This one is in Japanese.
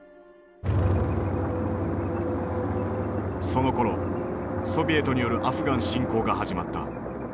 そのころソビエトによるアフガン侵攻が始まった。